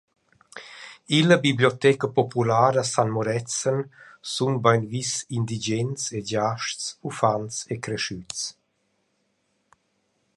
Illa Biblioteca populara a San Murezzan sun bainvis indigens e giasts, uffants e creschüts.